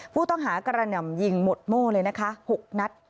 ผู้ต้องหากระหน่ำยิงหมดโม่เลยนะคะ๖นัด